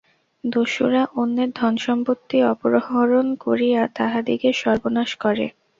দস্যুরা অন্যের ধনসম্পত্তি অপহরণ করিয়া তাহাদিগের সর্বনাশ করে।